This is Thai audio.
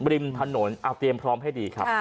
ริมถนนเตรียมพร้อมให้ดีครับ